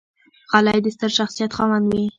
غلی، د ستر شخصیت خاوند وي.